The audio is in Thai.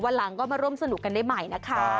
หลังก็มาร่วมสนุกกันได้ใหม่นะคะ